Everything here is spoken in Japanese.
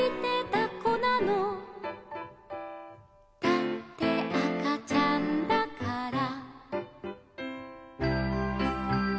「だってあかちゃんだから」